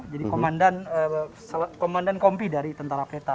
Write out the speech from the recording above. jadi komandan kompi dari tentara peta